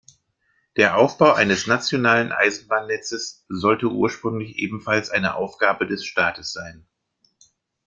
Der Aufbau eines nationalen Eisenbahnnetzes sollte ursprünglich ebenfalls eine Aufgabe des Staates sein.